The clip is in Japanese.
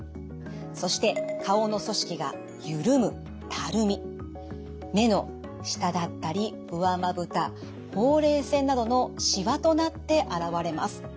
そして顔の組織が緩む目の下だったり上まぶたほうれい線などのしわとなって現れます。